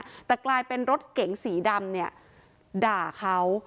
แต่กลายเป็นรถเก๋งสีดำเนี่ยด่าเขา